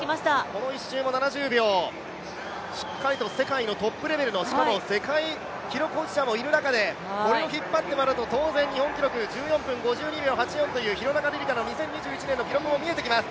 この１周も７０秒、しっかりと世界のトップレベルの、しかも世界記録保持者もいる中で当然、日本記録、１４分５４分８２という廣中璃梨佳の２０２１年の記録も見えてきます。